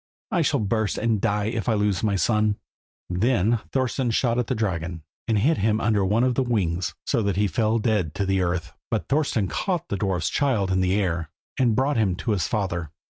I shall burst and die if I lose my son." Then Thorston shot at the dragon, and hit him under one of the wings, so that he fell dead to the earth; but Thorston caught the dwarf's child in the air, and brought him to his father.